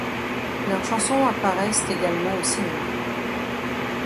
Leurs chansons apparaissent également au cinéma.